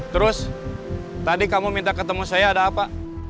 terus tadi kamu minta ketemu saya ada apa